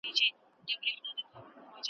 په قفس کي به ککړي درته کړمه .